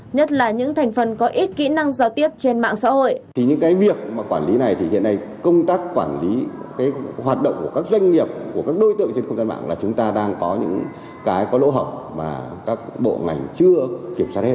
nhất là những thành phần có ít kỹ năng giao tiếp trên mạng xã hội